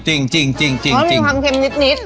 จริงมีความเค็มนิด